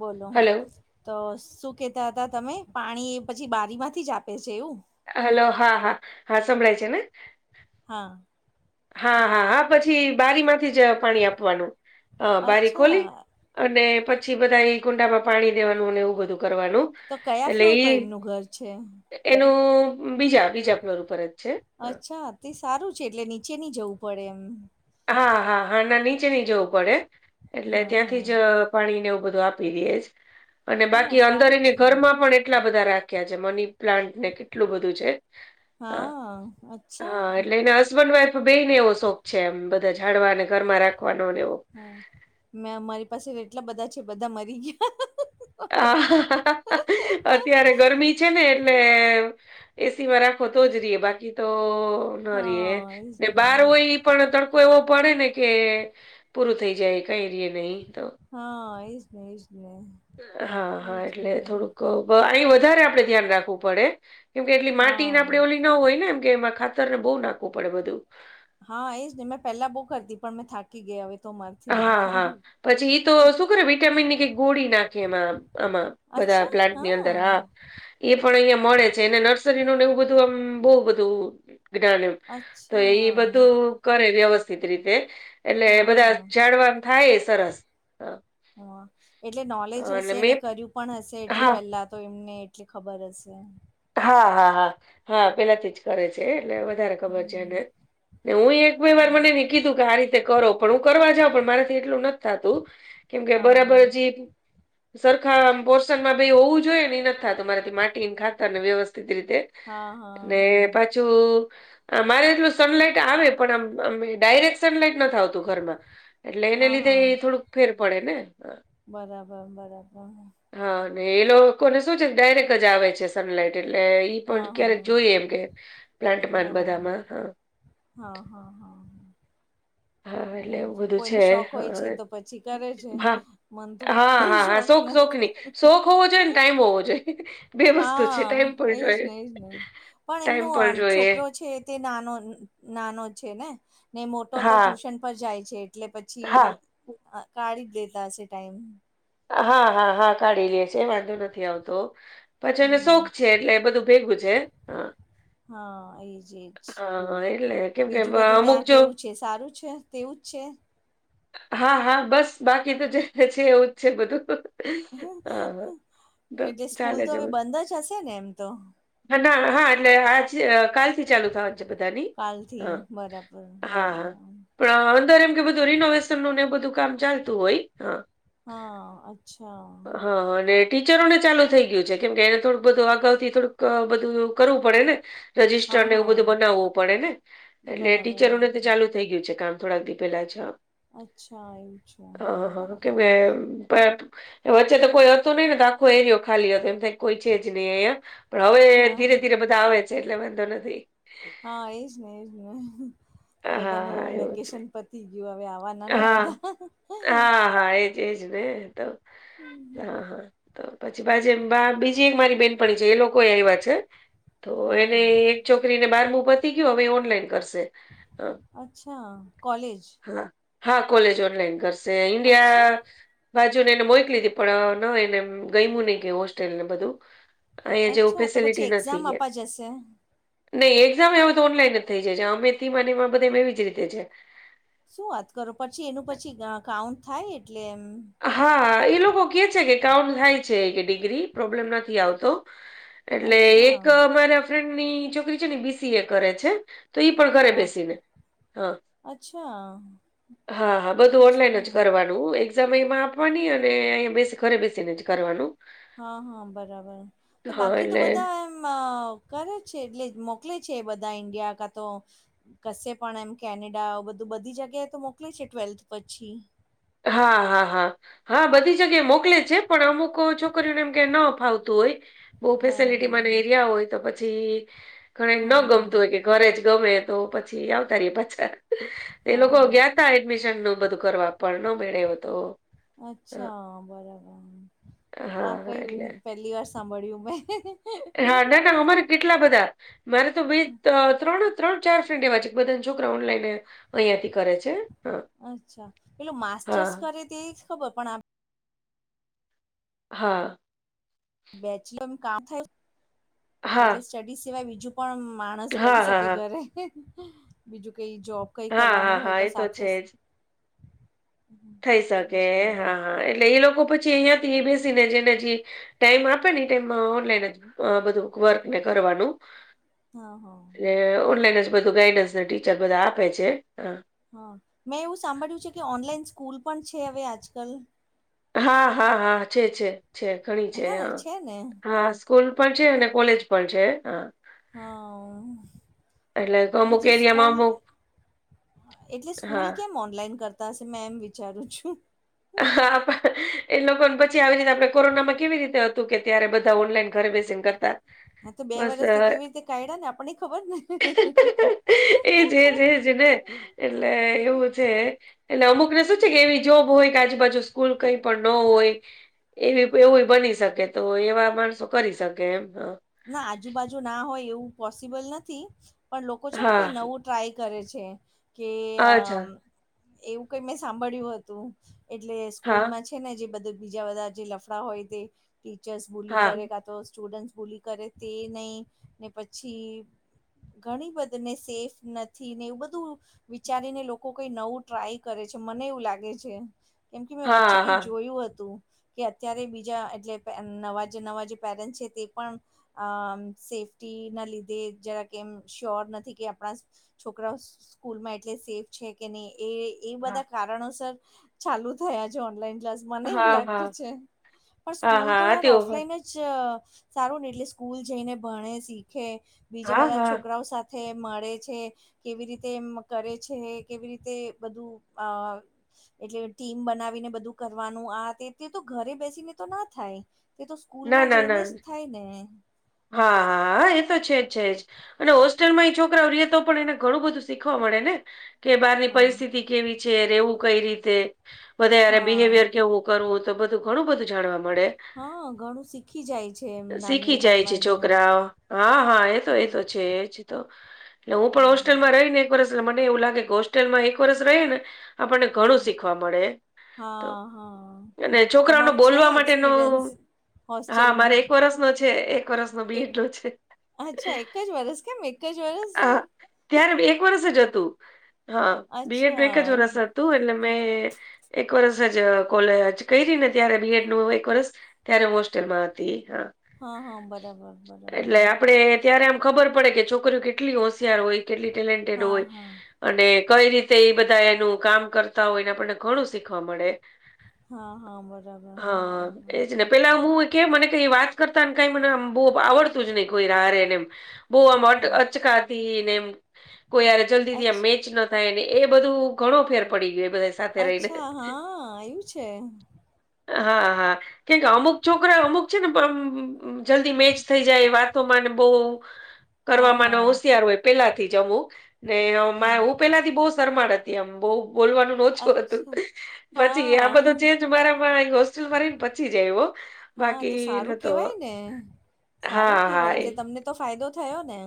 બોલો. હલો, તો શું કેતા હતા તમે પાણી પછી બારી માંથી જ આપે છે એવું? હાલો, હા, હા, હા, સંભળાય છે ને? હા. હા, હા, હા, પછી બારી માંથી જ પાણી આપવાનું, હ બારી અચ્છા ખોલી અને પછી બધા એ કુંડામાં પાણી દેવાનું અને એવું બધું કરવાનું. તો કયા એટલે ફ્લોર ઈ પર એમનું ઘર છે? એનું બીજા બીજા ફ્લોર ઉપર જ છે. અચ્છા તે સારું છે એટલે નીચે ની જવું પડે એમ. હા, હા, હા, ના, નીચે નહી જવું પડે એટલે હા ત્યાંથી હા જ પાણીને એવું બધું આપી દે છ અને હા બાકી સારું અંદરને છે ઘરમાં પણ એટલા બધા રાખ રાખ્યા છે મની પ્લાન્ટને કેટલું બધું છે, હ, હા અચ્છા હ એટલે એને હસબન્ડ વાઈફ બેઈ ને એવો શોખ છે એમ બધા જાડવા અને ઘરમાં રાખવાનો ને એવો હા મે અમારી પાસે એટલા બધા છે બધા મરી ગયા. અત્યારે ગરમી છે ને એટલે એ સી માં રાખ ખો તો જ રે બાકી તો ન રે હા એજ ને બાર હોય ઈ પણ તડકો એવો પડે ને કે પૂરું થઈ જાય કઈ રી નહી તો. હા એજ ને, એજ ને. હા, એજ હા એટલે ને થોડુંક અહી વધારે આપડે ધ્યાન રાખવું પડે. કેમ કે એટલી માટીને હા આપડે ઓલી ના હોય ને એમ કે એમાં ખાતર ને બહુ નાખવું પડે બધું. હા એ જ ને મેં પેલા બહુ કરતી પણ મેં થાકી ગઇ હવે. પછી વાત હા થાય હા ઈ. પછી એ તો શું કરે વિટામિન ની કઈ ગોળી નાખે એમાં, આમાં. બધા પ્લાન્ટ ની અંદર હા. એ પણ અહિયાં મળે છે અને નર્સરીનું ને એવું બધું આમ બહુ બધું જ્ઞાન એમ તો એ અચ્છા બધું કરે વ્યવસ્થિત રીતે હા. પણ આમ થાય એ સરસ હા. હા એટલે બાલે જ હશે ને મેં કર્યું પણ હશે એટલે હા પહેલા તો એમને એટલી ખબર હશે એમ. હા, હા, હા, હા પેલાથી જ. કરે છે એ ને વધારે ખબર છે હમ એને હું એક બે વાર મને કીધું કે આ રીતે કરો પણ હું કરવા જાઉં પણ મારાથી એટલું નથ થાતું કેમ કે બરાબર હા જે સરખા પોર્શનમાં બેય હોવું જોઈએ એ નથ થાતું માર થી માટી ને ખા તાર ને વ્યવસ્થિત રીતે હા હા ને હા પા જો મારે એટલું સનલાઈટ આવે પણ આમ આમ ડાયરેક્ટ સનલાઈટ નથ આવતી. ઘરમાં એટલે એને હા લીધે હા એ થોડુંક ફેર પડે ને. બરાબર, બરાબર. હા ને એ લોકોને શું છે ડાયરેક્ટ જ આવે છે સનલાઈટ. એટલે ઈ હા પણ હા ક્યારેક જોઈએ એમ કે પ્લાન્ટમાં બરાબર બધામાં, હા. હા, હા, હા. હા એટલે બરાબર એવું છે બધું કોઈને શોખ હોય છે તો હા પછી કરે છે મન તો હા હા કઈ હા હા શોખ શોખની નથી. શોખ હોવો જોઈએ ને ટાઈમ હોવો જોઈએ બે વસ્તુ છે ટાઈમ હા પણ જોઈએ એજને, એજને. પણ એમનો ટાઈમ પર જોઈએ છોકરો છે તે નાનો નાનો છે ને ને મોટો તો હા ટ્યુશન પર જાય છે. એટલે પછી હા કાઢી જ દેતા હશે ટાઈમ હા હા હા કાઢી લે છે વાંધો નથી આવતો પછી એને શોખ હમ છે એટલે એ બધું ભેગું છે હ હા એજ એજ હા એટલે કેમ કે બીજું બધું અમુક ત્યાં જો કેવું છે સારું છે તેવું જ છે. હા હા બસ બાકી તો જે છે એવું જ છે બધુ એટલે સ્કૂલ ચાલે તો છે હવે બંધ જ હશે ને એમ તો ના હા એટલે આજ કાલ થી ચાલુ થવાનું છે બધાની કાલથી હા બરાબર હા હા બરાબર પણ અંદર એમ કે બધું રીનોવેશન નું ને બધું કામ ચાલતું હોય. હા હા અચ્છા હા અને ટીચરો ને ચાલુ થઈ ગયું છે કેમ કે એને થોડુંક બધું અગાઉથી થોડુંક બધું કરવું પડે ને રજિસ્ટર હા ને એવું હા બધું બનાવવું પડે ને એટલે બરાબર ટીચરોને બરાબર ચાલુ થઈ ગયું છે કામ થોડાક દી પેલા છે. અચ્છા એ હા હા કે વચ્ચે તો કોઈ હતું નહીિ ને તો આખો એરિયો ખાલી હતો એમ થાય કોઈ છે જ નહી અહંયા પણ હવે હા ધીરે ધીરે બધા આવે છે એટલે વાંધો નથી. હા એજ ને એજ ને બધાનું હા હવે એવું છે વેકેશન પતી ગયું હવે આવાનુ નાને હા બધા હા હા એજ એજ ને તો હા હા તો પછી પાછ એમ બી એક મારી બેનપ છે એ લોકો આવ્યા છે, તો હા એને હા છોકરી ને બારમું પતી ગયયો હવે ઓનલાઈન કરશે અ, અચ્છા કોલેજ હા હા કોલેજ ઓનલાઈન કરશે અચ્છા ઇન્ડિયા. બાજુ ને એને મોક લીધી પણ ના એને ગયમ નહી ગય હોસ્ટેલ ને બધુ અહીિયાંયા જેવું અચ્છા તો પછી ફેસિલિટી નથી એક્ઝામ કેયા આપવા જશે નહી એક્ઝામ હવે તો ઓનલાઈન જ થઈ જાય છે અમેથી મનેમાં બધે એવી જ રીતે છે. શું વાત કરો પછી એનું પછી કાઉન્ટ થાય એટલે એમ હા એ લોકો કે છે કે કાઉન્ટ થાય છે કે ડિગ્રી પ્રોબ્લેમ નથી આવતો એટલે અચ્છા એક મારા ફ્રેન્ડની છોકરી છે ને બીસી એ કરે છે. તો ઈ પણ ઘરે હા બેસી ને હા અચ્છા હા હા બધું ઓનલાઈન અચ્છા જ કરવાનુ એક્ઝામ અમાં આપવાની અને અંયા બે ઘરે બેસીને કરવાનુ હા હા બરાબર તો હા, બાકી તો એટલે બધા એમ કરે છે એટલે મોકલે છે બધા ઈન્ડિયા કા તો કશે પણ એમ કેનેડા બધું બધી જગ્યાએ તો મોકલી છે ટ્વેલ્થ પછી હા હા હા હા બધી જગ્યાએ મોકલે છે પણ અમુક છોકરીઓને એમ કે ન અ ફાવતું હોય. બઉુ ફેસેલિટી બરાબર મને એરિયા હોય તો પછી ઘ ન હા હા ગમતું હોય કે ઘરે જ ગમે તો પછી આવતા ર પાછા એ હા લોકો હા ગયા. એડમિશન નું બધું કરવા પણ ન મેળ્યો તો હા, અચ્છા બરાબર આ હા કઈ ન એટલે પહેલી વાર સાંભળ્યું મેં. હા, ના-ના. અમારે કેટલા બધા, મારે તો બે, ત્રણ જ ત્રણ-ચાર ફ્રેન્ડ એવા છે, કે બધાન છોકરાવ ઓનલાઈન એ અહિયાં થી કરે છે. હા, અચ્છા. પેલું માસ્ટર્સ હા, કરે તે ઈ જ ખબર, પણ આપ હા. બેચલર કામ થાય, હા, એટલે સ્ટડી સિવાય બીજું પણ માણસ હા, કરી હા, શકે હા, ઘરે. બીજું કે ઈ જોબ કંઈ હા, કરવાનું હા, હોય હા તો એ સાથે છે જ થઈ શક. હા, હા. એટલે એ લોકો પછી અહિયાથી એ બેસીને જેને જી ટાઈમ આપે ને ઈ ટાઈમમાં ઓનલાઈન જ અહ બધું વર્કને કરવાનું. હા હા એ ઓનલાઈન જ બધું ગાઈડન્સ ને ટીચર બધા આપે છે, હા. હા. મેં એવું સાંભળ્યું છે કે ઓનલાઈન સ્કૂલ પણ છે હવે આજકલ? હા, હા, હા, છે-છે-છે. ઘણી છે હા. હા સ સ્કૂલ પણ છે અને કોલેજ પણ છે. હા. હા. એટલે તો અમુક પછી એરિયામાં સ્કૂલ અમુક એટલે સ્કૂલ હા કેમ ઓનલાઈન કરતા હશે મેં એમ વિચારું છું. હા પણ એ લોકોન પછી આવી રીતે આપણે કોરોનામાં કેવી રીતે હતું કે ત્યારે બધા ઓનલાઈન ઘરે બેસીને કરતા હા તો બે બસ વરસથી અ, કેવી રીતે કાયઢાને આપણનેઈ ખબર જ ને. એજ એજ એજ ને એટલે એવું છે. એટલે અમુક ને શું છે કે એવી જોબ હોય કે આજુબાજુ સ્કૂલ કંઈ પણ ન હોય એવી એવું બની શકે, તો એવા માણસો કરી શકે એમ હા. ના આજુબાજુ ના હોય એવું પોસિબલ નથી. પણ લોકો છેને હા કંઈ નવું ટ્રાય કરે છે. કે હા અમ્મ અચ્છા એવું કંઈ મેં સાંભળ્યું હતું. એટલે હા સ્કૂલમાં છેને જે બધા બીજા બધા જે લફડા હોય તે ટીચર્સ બૂલી હા કરે, કાં તો સ્ટુડન્ટ્સ બૂલી કરે, તે નહીં. ને પછી ઘણી બધી ને સેફ નથી ને એવું બધું વિચારીને લોકો કંઈ નવું ટ્રાય કરે છે, મને એવું લાગે છે. કેમ કે મેં હા વચ્ચે હા કંઈ હા જોયું હતું. કે અત્યારે બીજા એટલે પ નવા જે નવા જે પેરેન્ટ છે તે પણ અહ સેફ્ટીના લીધે જરાક એમ શ્યોર નથી કે આપણા છોકરાઓ સ્કૂલમાં એટલે સેફ છે કે નહીં, એ એ બધા કારણોસર ચાલુ થયા છે ઓનલાઈન ક્લાસ. મને એવું હા હા હા લાગતું છે. પણ હા સ્કૂલ તો હા યાર તેવું હોય ઓફલાઈન જ ચ સારું ને, એટલે સ્કૂલ જઈને ભણે, શીખે, બીજા હા બધા હા છોકરાઓ સાથ થે મળે છે. કેવી રીતે એમ કરે છે, કેવી રીતે બધું અહ એટલે ટીમ બનાવીને બધું કરવાનું, આ તે. તે તો ઘરે બેસીને તો ન થાય. તે તો ના સ્કૂલમાં ના જઈને ના જ થાય ને. હા, હા એ તો છે જ, છે જ. અને હોસ્ટેલઈ માં એ છોકરાઓ રહ્યે તો પણ એને ઘણું બધું શીખવા મળે ને, કે બહારની હા પરિસ્થિતિ કેવી છે, રહેવું કંઈ રીતે, બધાઈ હારે હા બિહેવિયર કેવો કરવું, તો બધું ઘણું બધું જાણવા મળે. હા ઘણું શીખ ખી જાય છે. શીખી જાય છે છોકરાવ, હા, હા એતો એતો છે. એજ તો. એટલે હું પણ હોસ્ટેલમાં રહીને એક વર્ષ મને એવું લાગે કે હોસ્ટેલમાં એક વર્ષ રયે ને આપણને ઘણું શીખવા મળે તો હા હા અને છોકરાઓને તમારું છે બોલવા માટેનો એક્સપિરિયન્સ હા, હોસ્ટેલનું મારે એક વર્ષનો છે એક વર્ષનો એક બેટો છે. અચ્છા એક જ વરસ કેમ એક જ વરસ? હા ત્યારે એક વરષ જ હતું હા બી એ ડનું અચ્છા એક જ વર્ષ એવું તો એટલે મેં એક વરસ અહ જ કોલેજ કરીને ત્યારે બીએડ નું એક વરસ ત્યારે હોસ્ટેલમાં હતી હા. હા હા બરાબર બરાબર એટલે આપડે ત્યારે આમ ખબર પડે કે છોકરીઓ કેટલી હોશિયાર હોય કેટલી ટેલેન્ટેડ હા હોય. હા અને કઈ રીતે એ બધા એનું કામ કરતા હોયને આપણને ઘણું શીખવા મળે. હા હા બરાબર હા બરાબર. એજ ને પેલા હું કે મને કઈ વાત કરતાને કઈ મને બહુ ગમે આવડતું જ નહી કોઈ રારે એને એમ બહુ આમટ હા અચકાતી ને એમ કોઈ જલ્દી થી અચ્ આ મેચ ન થાય ને એ બધું ઘણો ફેર પડી ગયો. બધા સાથે રહીને અચ્છા હા એવું છે? હા હા કેમ કે અમુક છોકરા અમુક છે ને પણ જલ્દી મેચ થઈ જાય વાતો માને બોહ હા કરવાવામાં નો હા હોશિયાર હોય પેલાથી જમું ને હ હું પેલા થી બોસ ઘર માં હતી આમ બહુ બોલવાનું નોચું હતું અચ્છા પછી આ બધું હા ચેનજ મારામાં હોસ્ટેલ માં રહી પછ હા, તો સારું કેવાય ને. હા સારું હા કેવાય એ એટલે તમને તો ફાયદો થયો ને?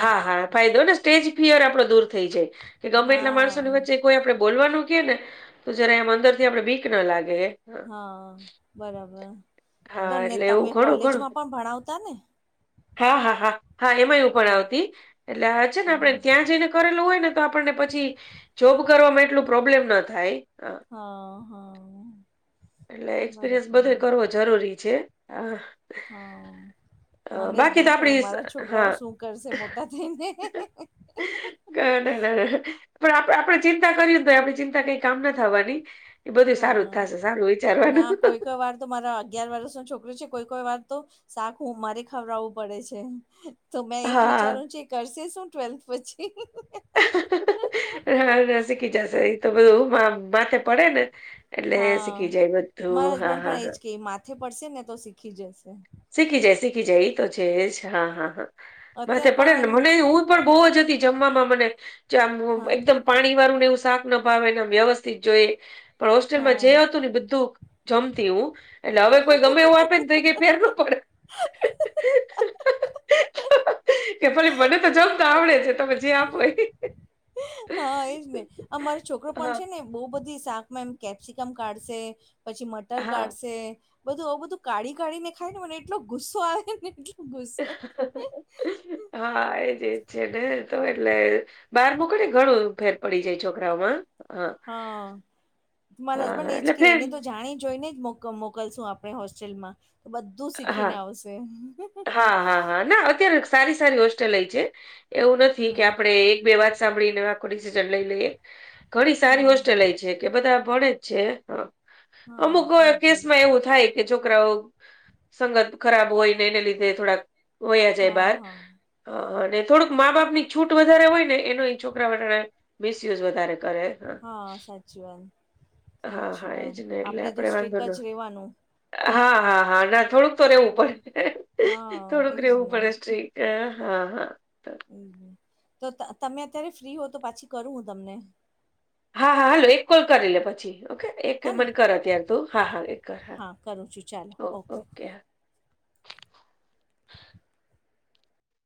હા હા ફાયદો ને સ્ટેજ ફિયર આપડો દૂર થઈ જાય કે ગમે એટલા હા માણસોની વચ્ચે કોઈ આપડે બોલવાનું કે ને તો જયારે એમ અંદર થી આપડે બીક ના લાગે. હા બરાબર હા તો ને એટલે એવું તમે ઘણું ઘણું કોલેજમાં પણ ભણાવતા ને? હા હા હા હા એમાંય હું હા ભણાવતી એટલે હાચે ને હા આપડે ત્યાં જઈને કરેલું હોય ને તો આપણને પછી જોબ કરવા માં એટલું પ્રોબ્લેમ ના થાય હા. હા હા. એટલે એક્સપિરિયન્સ બરાબર બધે કરવો જરૂરી છે, અહ. હા. મને એજ તો નથી આપડી ખબર મારા હા છોકરાઓ શું કરશે મોટા થઈને. કે ના ના ના. પણ આપ આપડે ચિંતા કર્યું ને તોય આપડી ચિંતા કઈ કામ ના થવાની એ બધું સારું જ હા થાશે. ના કોઈ કોઈ વાર તો મારા અગયાર વર્ષ નો છોકરી છે કોઈ કોઈ વાર તો શાક હું મારે ખવડાવવું પડે છે. તો મેં એજ હા વિચારું છે કરશે શું ટ્વેલ્થ પછી? હા શીખી જશે એ તો બધું માથે પડે ને એટલે એ હા શીખી જાય બધું હા હા હા. જે પડશે ને તો શીખી જશે. શીખી જાય શીખી જાય એ તો છે જ હા હા હા માથે અત્યારે પડે પણ ને મને ને હું પણ એમ બહુ જ હતી જમવામાં મને જે આમ હા એકદમ પાણી વાળું ને એવું શાક ના ભાવેને વ્યવસ્થિત જોએ પણ હોસ્ટેલમાં હા જે હતું ને બધું જમતી હું એટલે હવે કોઈ ગમે એવું આપે ને થઈ ગે ફેર ગુ પડે. કે પેલી મને તો જમ તો આવડે છે તમે જે આપો એ હા, એજ ને અમારો છોકરો પણ હા, છે ને બહુ બધી શાકમાં આમ કેપ્સિકમ કાઢશે પછી મટર હા. કાઢશે બધું આવું બધું કાઢી કાઢીને ખાય ને મને એટલો ગુસ્સો આવેને ગુસો હા એ ચેચેને એ તો એલ બહાર મોકલે ઘણું ફેર પડી જાય છોકરાઓમા હા મારા હા હસબન્ડ હા એજ એટલે કે ફેર એને તો જાણી જોઈને જ મોક મોકલશું આપણે હોસ્ટેલમાં તો બધું હા શીખીને આવશે. હા હા હા ના અત્યારે સારી સારી હોસ્ટેલય છે. એવું નથી કે હા આપડણે એક બે વાત સાંભળીને આખો ડિસિઝન લઈ લઈએ. ઘણી સારી હા હોસ્ટેલ છે. કે બધા ભણેે જ છે હ અમુક હા એજ એજ કેસમાં એવું થાય કે છોકરાઓ. સંગત ખરાબ હોય ને એને લીધે થોડાક વયા જાય હા બહાર હા અને થોડુંક મા બાપ ની છૂટ વધારે હોય ને એનો છોકરા વાળા મિસયુઝ વધારે કરે હા સાચી વાત હા સાચી હા વાત એજ ને એટલે તો આપડે વાંધો સ્ટ્રીક ન જ રેવાનું હા હા હા ના થોડુંક તો રહેવું પડે હા થોડુંક એજ રહેેવું ને પડે સ્ટ્રીક અ હા હા હમ તો તમે અત્યારે ફ્રી હો તો પાછી કરું હું તમને હા હા હાલૂ એક કોલ કરી લે પછી. ઓકે એક હે ને મને કર અત્યારે તું હા હા એક કર હા કરું છું ચાલો ઓ ઓકે હા